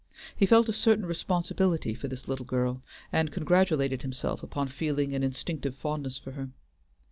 He felt a certain responsibility for this little girl, and congratulated himself upon feeling an instinctive fondness for her.